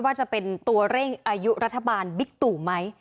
ว่าจะเป็นตัวเร่งอายุรัฐบาลบิ๊กตู่ไหม